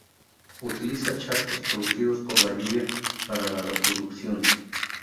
Utiliza charcos producidos por la lluvia para la reproducción.